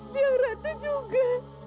dia orang itu juga